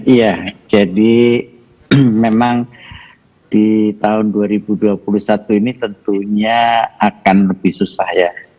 iya jadi memang di tahun dua ribu dua puluh satu ini tentunya akan lebih susah ya